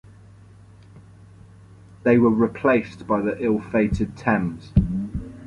They were replaced by the ill-fated Thames.